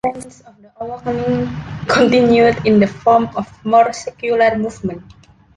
The influence of the Awakening continued in the form of more secular movements.